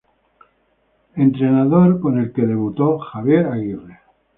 Entrenador con el que debutó: Javier Aguirre.